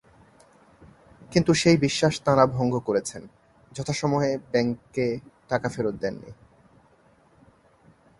কিন্তু সেই বিশ্বাস তাঁরা ভঙ্গ করেছেন, যথাসময়ে ব্যাংককে টাকা ফেরত দেননি।